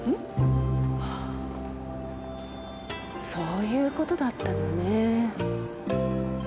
ああそういうことだったのね。